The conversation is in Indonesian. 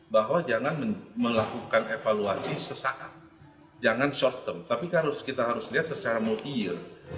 bahwa jangan melakukan evaluasi sesaat jangan short term tapi kita harus lihat secara multi year